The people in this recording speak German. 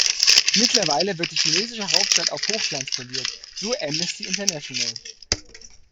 Mittlerweile wird die chinesische Hauptstadt auf Hochglanz poliert, so Amnesty International.